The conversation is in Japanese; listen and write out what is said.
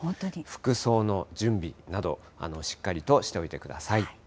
服装の準備など、しっかりとしておいてください。